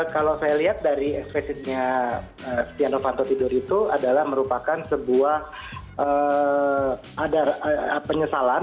kalau saya lihat dari ekspresinya setia novanto tidur itu adalah merupakan sebuah ada penyesalan